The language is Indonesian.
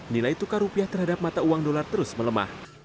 nilai tukar rupiah terhadap mata uang dolar terus melemah